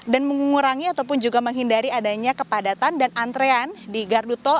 dan mengurangi ataupun juga menghindari adanya kepadatan dan antrean di gardu tol